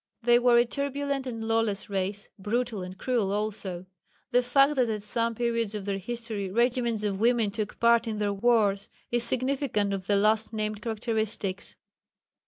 They were a turbulent and lawless race brutal and cruel also. The fact that at some periods of their history regiments of women took part in their wars is significant of the last named characteristics.